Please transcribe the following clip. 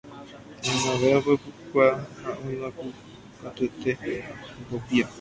Maymavéva po ikyʼa ha oĩva kũ katuete ipopĩa.